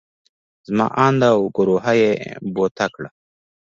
زما اند او ګروهه يې بوته کړه.